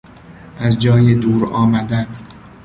از جای دور آمدن